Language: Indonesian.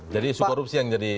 jadi sukorupsi yang jadi